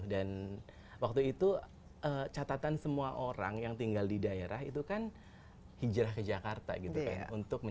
dan waktu itu catatan semua orang yang tinggal di daerah itu kan hijrah ke jakarta gitu kan